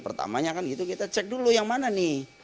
pertamanya kan gitu kita cek dulu yang mana nih